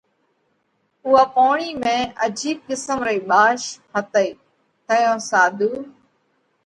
اُوئا پوڻِي ۾ عجيب قسم رئي ٻاش ھتئي تئيون ساڌُو